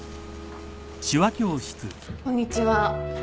こんにちは。